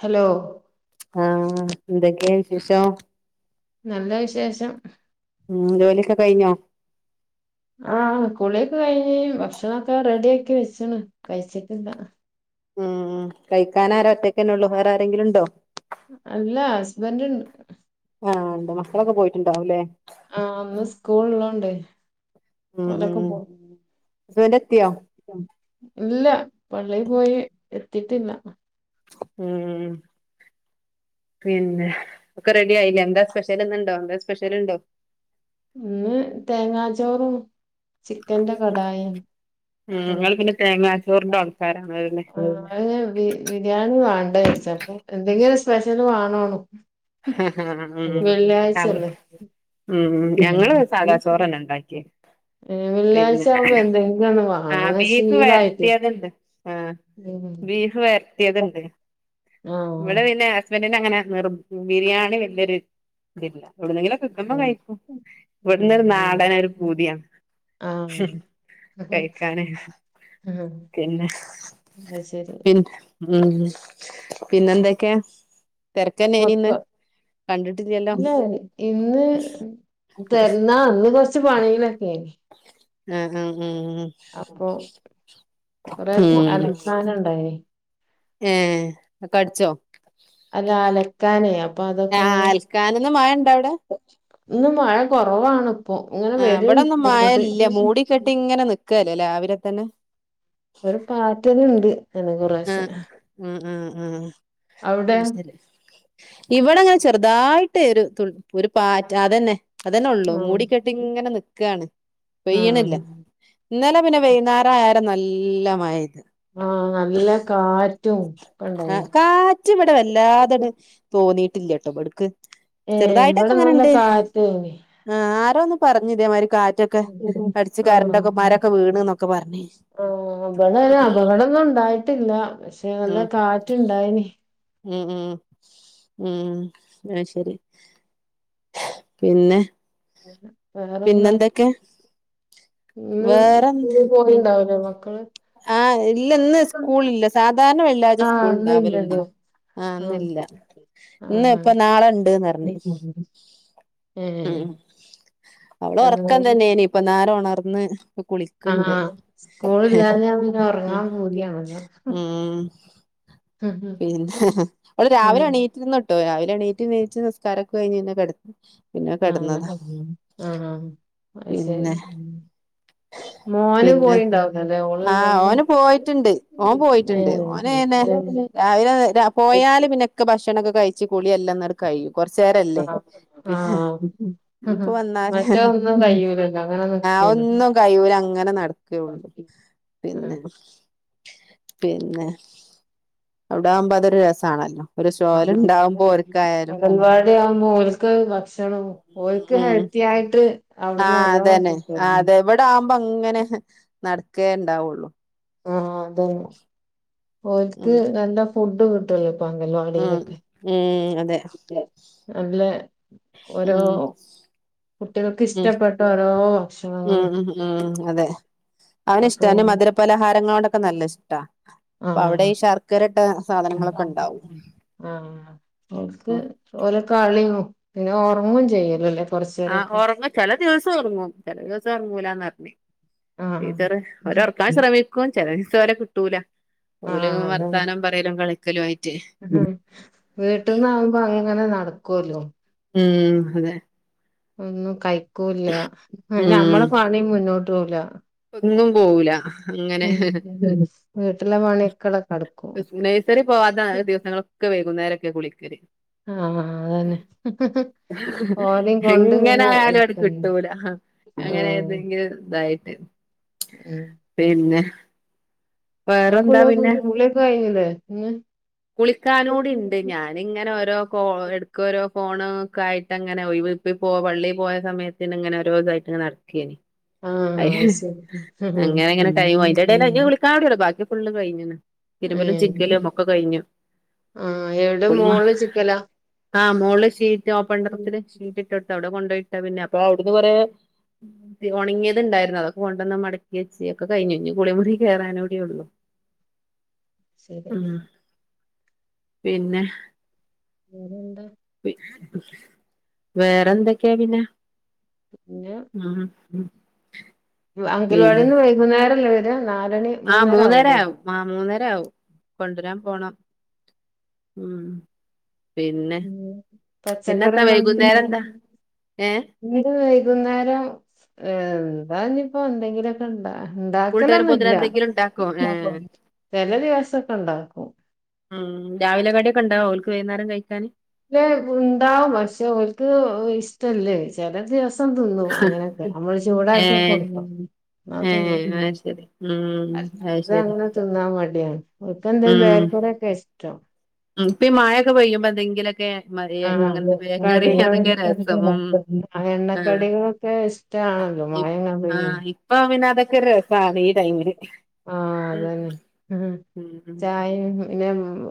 Hello ആ എന്തൊക്കെ വിശേഷം നല്ല വിശേഷം ഉം ജോലിയൊക്കെ കഴിഞ്ഞോ ആ കുളിയൊക്കെ കഴിഞ്ഞ് ഭക്ഷണൊക്കെ റെഡി ആക്കി വെച്ച്ണ് കഴിച്ചിട്ടില്ല ഉം കഴിക്കാന ആര ഒറ്റക്കന്നെ ഒള്ളൂ വേറെ ആരെങ്കിലും ഉണ്ടോ അല്ല ഹസ്ബൻഡ്‌ ഇണ്ട് ആഹ് എന്ത മക്കളൊക്കെ പോയിട്ടുണ്ടാവുംല്ലേ ആഹ് ഇന്ന് സ്കൂൾ ഇള്ളോണ്ടേ ഓലൊക്കെ പൊ ഹസ്ബൻഡ് എത്തിയോ ഇല്ല പള്ളി പോയി എത്തിട്ടില്ല ഉം പിന്നെ ഒക്കെ റെഡി ആയില്ലേ എന്താ സ്പെഷ്യൽ ഇന്ന്ണ്ടോ എന്താ സ്പെഷ്യൽ ഇണ്ടോ ഇന്ന് തേങ്ങാചോറും ചിക്കന്റെ കടായിം ഉം ഒക്കെണ്ട് നിങ്ങള് പിന്നെ തേങ്ങാച്ചോറിന്റെ ആൾക്കാരാണല്ലേ ബിരിയാണി വിരിച്ചപ്പൊ എന്തെങ്കിലും ഒരു സ്പെഷ്യല് വാണേണും ഉം ആ ഉം ഉം ഞങ്ങള് സാദാ ചോറന്നെ ഉണ്ടാക്കി ഏ പിന്നെ വെള്ളിയാഴ്ച ആവുമ്പോ എന്തെങ്കിലും ഒന്ന് ആ വാണം അങ്ങനെ ബീഫ് ശീലായിട്ട് വര്ട്ടിയത്ണ്ട് ആ ഉം ബീഫ്‌ വര്ട്ടിയത്ണ്ട് ആഹ് ഇവിടെ പിന്നെ ഹസ്ബൻഡ്‌ ഇവിടെ അങ്ങനെ നിർ ബിരിയാണി വലിയൊരു ഇതില്ല എവിടുന്നെങ്കിലും കിട്ടുമ്പ ആഹ് കഴിക്കും ഇവിട്ന്ന് ഒരു നാടന് ഒരു പൂതിയാണ് ആ അ കഴിക്കാന് പിന്നെ ഇന്നാ ശരി പിന്നെ ഉം പിന്നെന്തൊക്കെയാ മക്ക തിരക്കന്നെഅയിനിന്ന് ഇല്ല ഇന്ന് തന്നാ ഇന്ന് കൊറ ച്ച് പണികളൊക്കെയെന് ആഹ് ആഹ് ഉം കൊറെ ഉം അലക്കാനുണ്ടെനു ഏ കടിച്ചോ അല്ല അലക്കാനേ അപ്പൊ അതൊക്കെ ആഹ് ഇങ്ങനെ അൽക്കാനിന്ന് മഴ ഇണ്ട അവിടെ ഇന്ന് മഴ കൊറവാണ് ആ ഇവിടൊന്നും മായല്ല മൂടിക്കെട്ടി ഇങ്ങനെ നിക്കല്ലേ രാവിലെ തന്നെ ഒരു പാറ്റല് ഇണ്ട് ആ ആ ഉം ഉം അ അവിടെ ശരി ഇവിടെങ്ങനെ ചെറുതായിട്ട് ഒരു ഒരു പാറ്റ് അതന്നെ അതന്നെ ഒള്ളൂ ആഹ് മൂടിക്കെട്ടി ഇങ്ങനെ നിക്കാണ് പെയ്യ്ണില്ല ആഹ് ഇന്നലെ പിന്നെ വെയിന്നേരായാരെ നല്ല മഴയ്ത് ആഹ് നല്ല കാറ്റും ഒക്കെ ആ ഇണ്ടായിനി കാറ്റ് ഇവിടെ വല്ലാതട് തോന്നി ട്ടില്ലബട്ക്ക് ഏ ഇവിടെ ചെറുതായിട്ടൊക്കെ നല്ല ങ്ങനണ്ട് കാറ്റേനി ആ ആരോന്ന് പറഞ്ഞ് ഇതേ മാരി കാറ്റൊക്കെ അടിച്ച് കരണ്ട്ഒക്കെ മരൊക്കെ വീണ് ന്നൊക്കെ പറഞ്ഞ് ആ ഇബടെനെ അപകടൊന്നും ഇ ണ്ടായിട്ടില്ല പക്ഷെ നല്ല ഉം കാറ്റ്ണ്ടായിനി ഉം ഉം ഉം അത് ശരി പിന്നെ വേറെന്താ പിന്നെന്തൊക്കെ ഇന്ന് വേറെ എന്ത്? സ്കൂളിൽ ഉം പോയിണ്ടാവ് ല്ലേ മക്കള് ആ ഇല്ല ഇന്ന് സ്കൂള് ഇല്ല സാധാരണ വെള്ളിയാഴ്ച ആഹ് സ്കൂൾ ഇണ്ടാവല്ണ്ട് ഇന്നില്ലല്ലോ ആ ആഹ് ന്നില്ല ഇന്ന് ആഹ് ഇപ്പൊ നാളെ ഇണ്ട്ന്ന്റഞ്ഞ് ഏ ഉം അവള് അത് ഒറക്കം തന്നെനിപ്പന്നാര ഒണർന്ന് ഇപ്പ കുളിക്ക്ണ്ട് ആഹ് ഹ് ഹ് സ്കൂളില്ലാഞ്ഞാ പിന്നെ ഉം ഉറങ്ങാൻ പൂതിയാണല്ലോ മ് ആഹ് പിന്നെ അവള് രാവിലെ എണീറ്റിരുന്നുട്ടോ രാവിലെ എണീറ്റ് നീച്ച് നിസ്ക്കാരൊക്കെ കഴിഞ്ഞു പിന്നെ കെടന്ന് ആ അങ്ങനെ പറഞ്ഞ് ആ ആ അയ് ശരി പിന്നെ മ് മോനു പോയിണ്ടാകുല്ലേ ആ ഓന് പോയിട്ടിണ്ട് ഓൻ പോയിട്ടിണ്ട് ഓന് ന്നെ ഏ രാവിലെ പോയാല് പിന്നെക്കെ ഭക്ഷണൊക്കെ കഴിച്ച് കുളി എല്ലന്നട് കഴിയും ആ കൊറച്ചേരല്ലേ പിന്നെ ഹ ഹാ ഇനിയിപ്പോ മറ്റോ ഒന്നും കയൂലല്ലോ അങ്ങനെ നി അഒന്നും കയ്യൂലങ്ങനെ നടക്കെയൊ ള്ളു അ പിന്നെ അവ്ട ആവുമ്പ അതൊരു രസാണല്ലോ അങ്കൽവാടി ആവുമ്പോ ഓല്ക്ക് ഭക്ഷണം ഓല്ക്ക് ഉം ഹെൽത്തി യായിട്ട് ആ അതന്നെ ആ അതെ ഇവിടെ ആവുമ്പോ ങ്ങനെ നടക്കേ ഇണ്ടാവുള്ളു ആ അതന്നെ ഉം ഓല്ക്ക് നല്ല ഫുഡ് കിട്ട് ല്ലോ അങ്കൽവാടി ഉം ലൊക്കെ ഉം അതെ നല്ലെ ഉം കുട്ടികൾക്ക് ഉം ഇഷ്ടപ്പെട്ട ഓരോ ഭക്ഷണങ്ങള് ഉം ഉ ഉം അതെ അവന് ഇഷ്ട അപ്പൊ അവന് മധുരപലഹാരങ്ങളോടൊക്കെ നല്ല ഇഷ്ട അപ്പൊ അവിടെ ഈ ശർക്കരട്ട ആ ഓല്ക്ക് ഉം ഓലെക്കളിയും പിന്നെ ഒറുങ്ങും ചെയ്യല്ലല്ലേ ആ ഒറങ്ങും ചില ദിവസം ഒറങ്ങും ചെല ദിവസം ഉറങ്ങൂലന്നറ്ഞ്ഞ് ടീച്ചറ് അവരെ ഒറക്കാൻ ആഹ് ശ്രമിക്കും ചെല ദിവസം ഓലെ കിട്ടൂല ഓല ആഹ് വർത്താനം പറയലും കളിക്കലും ആയിട്ട് ഉ വീട്ടിന്നാവുമ്പോ അങ്ങനെ നടക്കുല്ലോ ഉം അതെ ഒന്നും കഴിക്കൂല്ലപിന്നെ മ്മളെ പണി മുന്നോട്ടോവൂല ഒന്നും പോവുല അങ്ങനെ വീട്ടിലെ പണിയൊക്കെടെ കടക്കും നഴ്സറി പോവാതായ ദിവസങ്ങളൊക്കെ വൈകുന്നേരൊക്കെ കുളി ആ അതന്നെ ഹ് ഹ് എങ്ങനെ ആയാലും അട് ഇരിക്കണ്ടേ കിട്ടൂല അങ്ങനെ ആഹ് ഏതെങ്കിലും ഇതായി പിന്നെ ങ്ങളെ വേറെന്താ കുളിക്ക കുളിയൊക്കെ കഴിഞ്ഞിലെ ഇന്ന് കുളിക്കാനൂടി ഇണ്ട് ഞാന് ഇങ്ങനെ ഓരോ കോ എടക്ക്‌ ഓരോ ഫോണൊക്ക ആയിട്ട് അങ്ങനെ ഒഴിവ് ഇപ്പ ഇപ്പ് പോ പള്ളിയിൽ പോയ സമയത്തിന് ഇങ്ങനെ ഓരോതായിട്ട് ഇങ്ങനെ നടക്കെനി ആഹ് അയിശെ അയ്ശരി അങ്ങനെ എങ്ങനെ കഴിഞ്ഞു പോയി അതിന്റെ എടല് എന്നെ വിളിക്കാണ്ട് കിടക്കും ബാക്കി ഫുള്ള് കഴിഞ്ഞൂ ഇരുമ്പലും ഏഹ് ചിക്കലും ഒക്കെ കഴിഞ്ഞു ആഹ് എവിടെ ഒളിമ മോള് ചിക്കലാ ആ മുകളില് ഷീ ഓപ്പൺ ടെറസില് ഷീറ്റ് ഇട്ടെടുട്ട അവിടെ കൊണ്ടോയിട്ട പിന്നെ അപ്പൊ അവിടുന്ന് കൊറേ ഉണങ്ങിയത്ണ്ടായിരുന്നു അതൊ കൊണ്ടെന്ന് മടക്കി വച്ചി ഒക്കെ കഴിഞ്ഞു ഇനി കുളികൂടി കേറാനൂടി ഉള്ളു ശരിയെന്നാ പിന്നെ വേറെന്താ വേറെന്തൊക്കെയാ പിന്നെ പിന്നെ ഉം പിൻ അംഗനവാടിന്ന് വൈകുന്നേരല്ലേ വര്ക നല് ആഹ് മൂന്നര ആകും ആ മൂന്നര ക്കവും കൊണ്ടരാൻ പോണം ഉ ഉ പച്ചക്കറി ഇന്ന് കൊണ്ട് വൈകുന്നേരം പോകും എന്താ ഏഹ് ഇന്ന് വൈകുന്നേരം ഏർ വാന്ന് ഇപ്പോ എന്തെങ്കിലുക്കെ ഇണ്ടാ സ്കൂളിട്ട് വരുമ്പോത്തിന് ഉണ്ടാക്കലൊന്നുല്ല എന്തെങ്കിലും ഇണ്ടാക്കോ ഏഹ് ചില ദിവസൊക്കെ ഉണ്ടാക്കും ഉം രാവിലെ കടിയൊക്കെണ്ടാവോ അവർക്ക് വൈകുന്നേരം കഴിക്കാന് അല്ല ഉണ്ടാവും പക്ഷെ ഒർക്ക് ഇഷ്ടല്ലേ ചില ദിവസം തിന്നു അങ്ങനെയൊക്കെ നമ്മള് ചൂടാക്കി ഏഹ് കൊടുക്കും എന്നാ തിന്നും ഏഹ് അത് ശരി ഉം അത് ശരി അങ്ങനെ തിന്നാൻ മടിയാണ് ഓക്ക് എന്തേലും ഉം ബേക്കറിയാണ് ഇഷ്ടം ഉം ഇപ്പ മഴക്കെ പെയ്യുമ്പോക്ക എന്തെങ്കിലൊക്കെ മറിയൻ ആഹ് അങ്ങനത്തെ ബേക്കറി അതെ അതൊക്കെ രസം കടികൾ മ് ആ എണ്ണക്കടികളൊക്കെ ആ ഇഷ്ടാണല്ലോ ഇപ് മഴങ്ങ ആ പെയ്യും ഇപ്പൊ അതൊക്കെ രസമാണ് ഈ ടൈമില് ആ ഉം അതന്നെ ഉ ഉം ചായയും പിന്നെ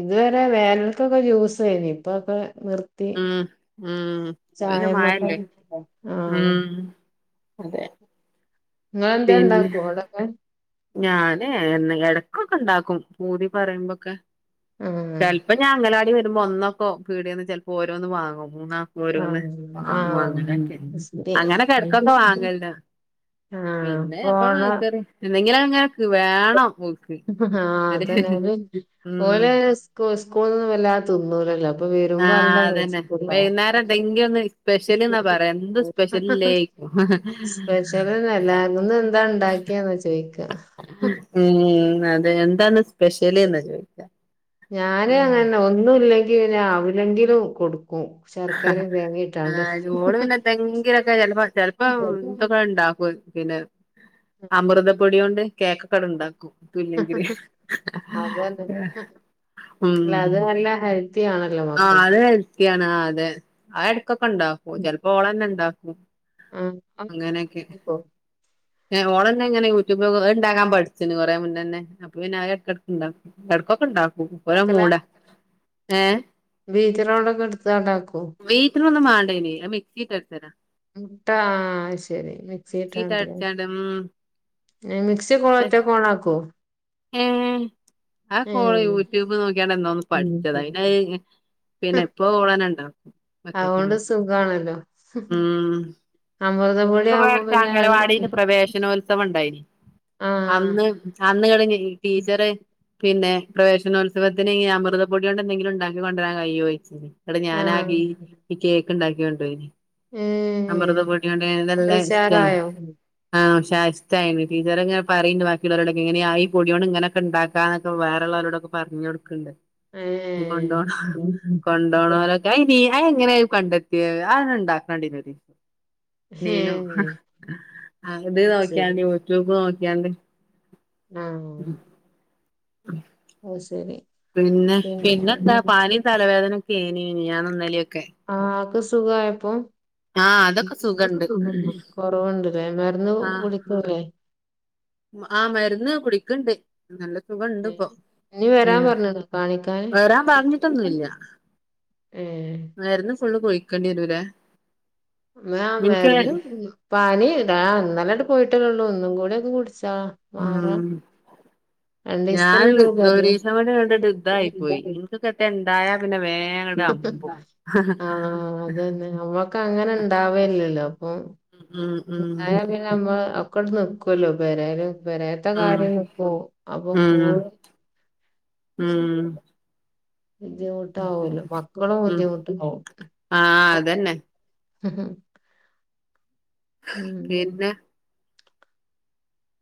ഇതുവരെ വേനക്കൊക്കെ ജ്യൂസ്സായിന് ഇപ്പൊക്കെ നിർത്തി ഉം ഉം പിന്നെ ചായമ്മക്കെ മഴല്ലേ ആഹ് ഉം അതെ നിങ്ങൾ എന്താ ഇണ്ടാക്കുവേ അവിടക്കെ ഞാനേ എന്ന ഇടക്കൊക്കെ ഉണ്ടാക്കും പൂതി പറയുമ്പോക്കെ ആഹ് ചിലപ്പോ ഞാൻ അംഗനവാടി വരുമ്പോ ഒന്നൊക്കോ പീടിന്ന് ചിലപ്പോ ഓരോന്ന് വാങ്ങും മൂന്നാംക്ക് ഓരോന്ന് ആഹ് വാങ്ങും ആഹ് അങ്ങനെയൊക്കെ ശരി അങ്ങനെക്കെ ഇടക്കൊക്കെ വാങ്ങണ്ട് ആഹ് പിന്നെ അപ്പ പോണ കേറി എന്തെങ്കിലും അങ്ങനെക്ക് വേണം ഓൽക്ക് ആ ഒര് അതന്നെ ഉം ഓലെ സ് സ്കൂൾ നിന്നും വല്ലാ തിന്നൂലല്ലോ അപ്പൊ വരുമ്പോ ആഹ് അല്ല അതന്നെ സ്കുളിൽ വൈകുന്നേരം എന്തെങ്കിലും ഒന്ന് സ്പെഷ്യല്ന്നാ പറയാ എന്ത് സ്പെഷ്യലില്ലേക്കും സ്പെഷ്യൽന്നല്ല ഇന്ന് എന്താ ഇണ്ടാക്കിയെന്ന ചോദിക്ക ഉം അതെ എന്താണ് സ്പെഷ്യല് എന്നാ ചോദിക്ക ഞാന് അങ്ങനെന്നെ ഒന്നുംല്ലെങ്കി ഞ അവിലെങ്കിലും കൊടുക്കും ശർക്കാരെം തേങ്ങേം ആഹ് ചൂട് പിന്നെന്തങ്കിലൊക്കെ ചെലപ്പോ ചെലപ്പോ ഇതൊക്കെ ഇണ്ടാക്കും പിന്നെ അമൃതപ്പൊടിയോണ്ട് കേക്കൊക്കെ ഇണ്ടാക്കും ട്ടുല്ലെങ്കില് അതന്നെ ഉം അല്ല അത് നല്ല ഹെൽത്തി ആണല്ലോ ആ മക്കൾക്ക് അത് ഹെൽത്തിയാണ് അതെ ആ ഇടക്കൊക്കെ ഇണ്ടാക്കും ചെലപ്പോ ഓളന്നെ ഇണ്ടാക്കും ആഹ് [unintelligible] ഏ ഓളന്നെ ഇങ്ങനെ യൂട്യൂബു അ ഇണ്ടാക്കാൻ പഠിച്ചിന് കുറെ മുന്നേന്നെ അപ്പൊ പിന്നെ അത് എടക്കെടക്കിണ്ടാക്കും ഇടക്കൊക്കെ ഇണ്ടാ മൂപ്പര മൂടാ ഏ ബീറ്ററോളോക്കെ ഇവിടുത്തണ്ടാക്കും അയിന് അ മിക്സീട്ടെടിച്ചേന മുട്ട ആഹ് അയ്ശരി മിക്സിട്ട് മിക്സിട്ടാണ്ടെ അടിച്ചാണ്ട് ഉം ഏ മിക്സിക്കെ ഓറ്റക്കോണാക്കോ എയ്ന്ന് അയ് ഒക്കെ ഓൾ യൂട്യൂബ് നോക്കിയാണ്ട് എന്നോന്ന് പഠിച്ചെതാ പിന്നെ ഏഹ് അയ് പിന്നെ ഇപ്പ ഓളെന്നെ ഇണ്ടാക്കും ഒറ്റക്കെന്നെ അതുകൊണ്ട് സുഖാണല്ലോ. ഉം പിന്നെ അമൃതംപൊടി ഇപ്പ ഇബെടെ ആവുമ്പോ അട്ത്ത് പിന്നെ അയാള് അംഗൽവാടിയിൽ പ്രവേശനോത്സവം ഇണ്ടായിനി ആഹ് അന്ന് അന്ന് ഇങ്ങെട്ട് നിന് ടീച്ചെറ് പിന്നെ പ്രവേശനോത്സവത്തിന് ഈ അമൃതം പൊടിയോണ്ട് എന്തെങ്കിലും ഇണ്ടാക്കി കൊണ്ടെരാൻ കയ്യോയ്ച്ച് ഇന്നെട്ട് ആഹ് ഞാനാകെ ഈ കേക്ക് ഇണ്ടാക്കി കൊണ്ടോയിനി അമൃത ഏഹ് പൊട്യോണ്ട് ഏഹ് ഇത് അത് നല്ല ഇഷ്ടായി ഉഷാറായോ? ആഹ് ച്ചാ ഇഷ്ടായിന് ടീച്ചറ് ഇങ്ങനെ പറീണ്ട് ബാക്കി ഇള്ളോരൊടൊക്കെ ഇങ്ങനെ ആയി പൊടിയോണ്ട് ഇങ്ങനനൊക്കെ ഇണ്ടാക്കാന്നൊക്കെ വേറെള്ളോലോടൊക്കെ പർഞ്ഞൊട്ക്ക്ണ്ട്. കൊണ്ടോ ഏഹ് കൊണ്ടോണോലൊക്കെ അയി [unintelligible] അയങ്ങനെയ് അയ് കണ്ടെത്തിയ അയ് ഒന്ന് ഇണ്ടാക്കണ്ടനൊ മീനോ ഏഹ് അത് നോക്കിയാണ്ട് യുട്യൂബ് നോക്കിയാണ്ട് ഉം ഉം. അയ് ശരി. പിന്നെ പിന്നെത്താ പിന്നെ പനീം തലവേദനൊക്കെ ഏനി മിനിഞ്ഞാന്നും ഇന്നലൊക്കെ ആഹ് ആക്കെ സുഖായപ്പൊ? ആഹ് അതൊക്കെ അത് സുഖണ്ട് സുഗണ്ട്. കൊറവ്ണ്ട് ലേ. മരുന്ന് കുടിക്കൂലേ? ആ മര്ന്ന് കുടിക്ക്ണ്ട്. നല്ല സുഖണ്ട് ഏ. ഇപ്പോ ഇനി വരാൻ ഉം പറഞ്ഞ്ണോ കാണിക്കാന്? വെരാൻ പർഞ്ഞിട്ടൊന്നുംല്ല. ഏഹ്. ഫുള്ള് കൊയിക്കണ്ടിയരൂലെ ആ മരുന്നും പനി ആ ഇന്നലട് പോയിട്ടല്ലേള്ളൂ. ഇന്നും കൂടിക്കെ കുട്ച്ച് ആഹ് മാറ ഉം ഞാനിത് രണ്ടീസ്ത്തിന്ള്ള ഒരീസം കൊണ്ട് ഇങ്ങട്ട് ഇതായി പോയി ഇൻക്കൊക്കെറ്റെ [unintelligible] ഇണ്ടായാ പിന്നെ വേങ്ങട്ട് അമ്പും ആഹ് അതന്നെ അമ്മക്ക് അങ്ങനെ ഇണ്ടാവേല്ലല്ലോ. ഉം ഉം ഉം ഇണ്ടായ പിന്നെ അമ്മളെ അക്കോട് നിക്കുവല്ലോ പേരേല് പെരേത്തെ ഉം കാര്യാണ് ഇപ്പോ അപ്പൊ കൂൺ ഉം ഉം ബുദ്ധിമുട്ടാവൊല്ലോ മക്കളും ഉം ബുദ്ധിമുട്ടി നോക്ക്. ആഹ് അതന്നെ ഉം ഉം. പിന്നെ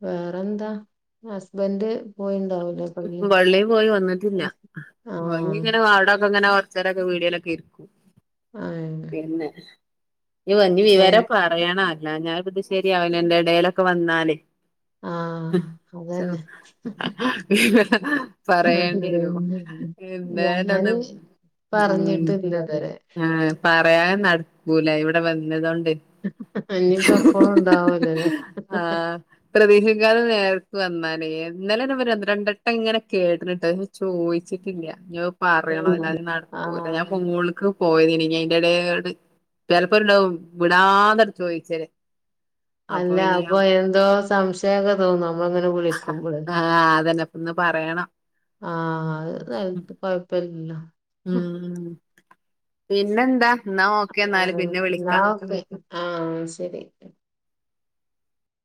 വേറെന്താ ഹസ്ബൻ്റ് പോയി പള്ളി പോയി വന്നിട്ടില്ല. ആഹ് അയ്ങ്ങനെ ആടെക്കെങ്ങനെ ചെലൊക്കെ വീ ഡ്യാേലൊക്കെ ആഹ് ഇരിന്ന് ഈ വംഗി വിവരം പറയണം അല്ലാഞ്ഞാ ഇത് സെരിയാവില്ല അന്റെടേലൊക്കെൻ്റെ വന്നാല് ആഹ് [unintelligible] ചല് അതന്നെ ഹിഹി പറയേണ്ട്യേരും ഉം. ഇന്നേനെ ന്ന് ഞാന് ഉം പറഞ്ഞിട്ടില്ലതുവരെ ആഹ് പറയാൻ നട്ക്കൂല ഇവ്ടെ വന്നതോണ്ട് ഇനിയിപ്പ എപ്പളും ഉണ്ടാവൂലല്ലേ ആഹ് പ്രതീക്ഷിക്കാത്ത നേര- വന്നാലേ ഇന്നലെന്നെ ബെല് ഒന്ന് രണ്ടട്ടം ഇങ്ങനെ കേട്ട്ണ്ട് ട്ട ഹ് ചോയ്ച്ചിട്ടില്ല ഞ- പറ്യയണം ആഹ് അല്ലാതെ നടക്കൂല്ല ഞാൻ ആഹ് മോള്ക്ക് പോയതേനി ഞ് അയ്ന്റെ എടേട് ചെലപ്പോണ്ടാവും വിടാതെട് ചോയ്ച്ചെല് അല്ലാ അപ്പൊ എന്തോ സംശയൊക്കെ തോന്നും നമ്മൾങ്ങനെ വിളിക്കുമ്പള് ആഹ് അതന്നെ ഇപ്പൊ ഇന്ന് പറയണം ആഹ് അത് നെൽത്ത് കൊഴപ്പല്ലല്ലോ ഉം പിന്നെ എന്താ ന്നാ ഓക്കേ ന്നാല് ആഹ് പിന്നെ എന്നാ വിളിക്ക ഓക്കെ ആഹ് ശെരി